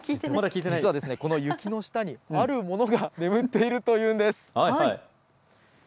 実はこの雪の下に、あるものが眠っているというんです。